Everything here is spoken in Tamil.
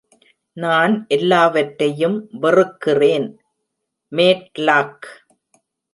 நான் எல்லாவற்றையும் வெறுக்கிறேன் "மேட்லாக்".